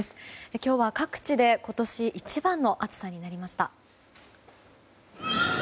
今日は各地で今年一番の暑さになりました。